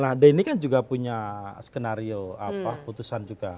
nah denny kan juga punya skenario putusan juga